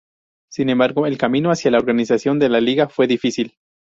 Sin embargo, el camino hacía la organización de la liga fue difícil.